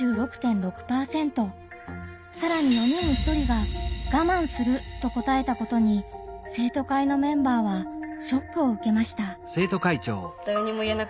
さらに４人に１人が「我慢する」と答えたことに生徒会のメンバーはショックを受けました。